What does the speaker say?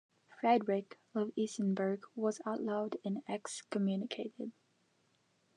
Frederick of Isenberg was outlawed and excommunicated.